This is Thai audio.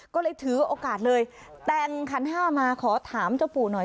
ก็เลยถือโอกาสเลยแต่งขันห้ามาขอถามเจ้าปู่หน่อย